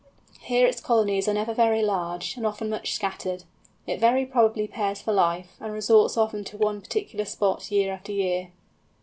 Here its colonies are never very large, and often much scattered. It very probably pairs for life, and resorts often to one particular spot year after year.